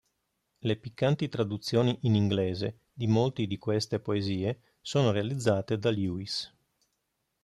Le piccanti traduzioni in inglese di molti di queste poesie sono realizzate da Lewis.